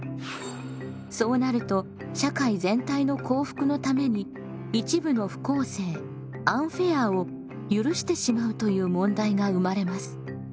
そうなると社会全体の幸福のために一部の不公正アンフェアを許してしまうという問題が生まれます。